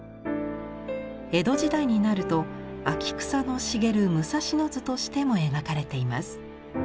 江戸時代になると秋草の茂る武蔵野図としても描かれています。